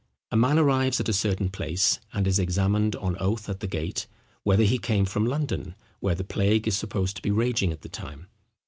A man arrives at a certain place, and is examined on oath at the gate, whether he came from London, where the plague is supposed to be raging at the time.